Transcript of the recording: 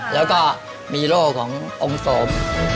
แล้วก็มีโล่ขององค์สม